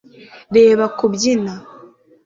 reba kubyina